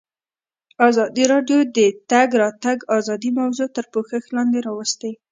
ازادي راډیو د د تګ راتګ ازادي موضوع تر پوښښ لاندې راوستې.